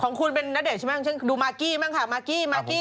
ของคุณเป็นได้เดี้ยวใช่มั้ยดูมากกี้บ้างค่ะ